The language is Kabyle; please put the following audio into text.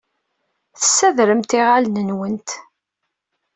Tessadremt iɣallen-nwent.